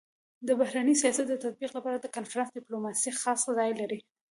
د بهرني سیاست د تطبيق لپاره د کنفرانس ډيپلوماسي خاص ځای لري.